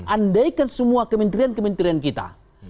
andaikan semua kementerian kementerian kita